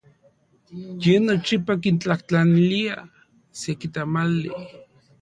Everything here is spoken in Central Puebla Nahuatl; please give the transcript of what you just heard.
Ye nochipa kintlajtlanilia seki tamali.